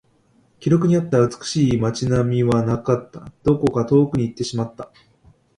記録にあった美しい街並みはなかった。どこか遠くに行ってしまった。